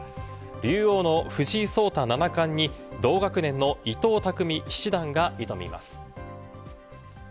竜王の藤井聡太七冠に同学年の伊藤匠七段が挑みます。